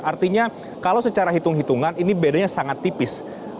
artinya kalau secara hitung hitungan ini bedanya sangat tipis